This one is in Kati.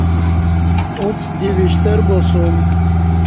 اُݩڅ دی وِݜترباسوم